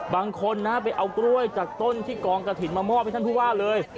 บางคนนะไปเอากล้วยจากต้นที่กองกระถิ่นมามอบให้ท่านผู้ว่าเลย